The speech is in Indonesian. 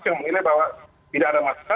yang menilai bahwa tidak ada masalah